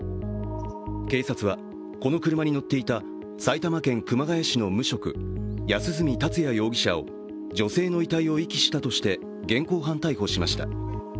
警察は、この車に乗っていた埼玉県熊谷市の無職・安栖達也容疑者を、女性の遺体を遺棄したとして現行犯逮捕しました。